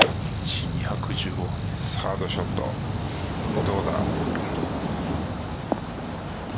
サードショットどうだ。